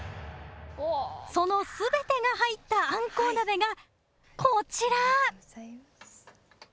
その全てが入ったあんこう鍋がこちら。